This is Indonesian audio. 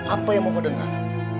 apa yang mau dengar